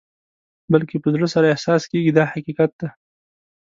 بلکې په زړه سره احساس کېږي دا حقیقت دی.